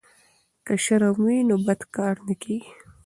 که شرم وي نو بد کار نه کیږي.